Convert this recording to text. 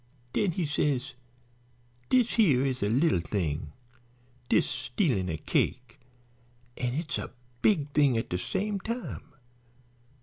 Den he says: 'Dis here is a lil thing, dis stealin' a cake; an' it's a big thing at de same time.